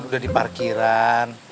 udah di parkiran